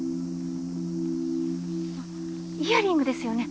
あっイヤリングですよね？